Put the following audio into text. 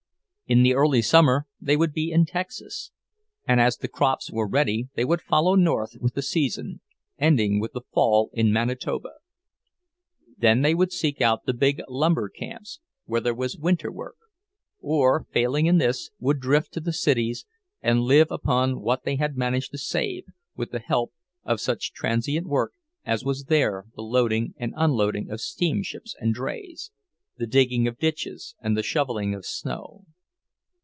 In the early summer they would be in Texas, and as the crops were ready they would follow north with the season, ending with the fall in Manitoba. Then they would seek out the big lumber camps, where there was winter work; or failing in this, would drift to the cities, and live upon what they had managed to save, with the help of such transient work as was there the loading and unloading of steamships and drays, the digging of ditches and the shoveling of snow.